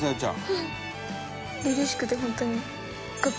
はい！